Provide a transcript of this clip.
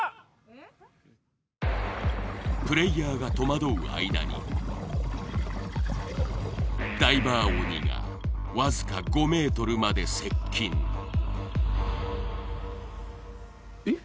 プレイヤーが戸惑う間にダイバー鬼がわずか５ｍまで接近えっ？